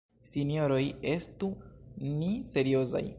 Sinjoroj estu ni seriozaj.